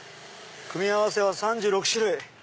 「組み合わせは３６種類」。